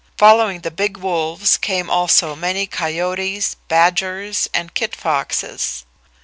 Following the big wolves came also many coyotes, badgers, and kit foxes.